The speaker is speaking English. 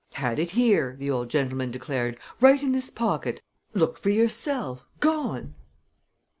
"Had it here," the old gentleman declared; "right in this pocket! Look for yourself gone!"